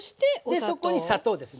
でそこに砂糖ですね。